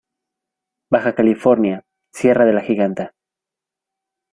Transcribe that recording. Baja California: Sierra de la Giganta.